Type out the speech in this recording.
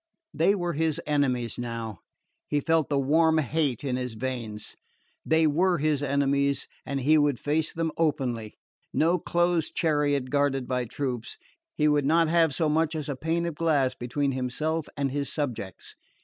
They were his enemies now he felt the warm hate in his veins. They were his enemies, and he would face them openly. No closed chariot guarded by troops he would not have so much as a pane of glass between himself and his subjects.